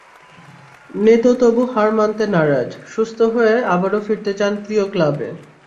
নেতো তবু হার মানতে নারাজ, সুস্থ হয়ে আবারও ফিরতে চান প্রিয় ক্লাবে।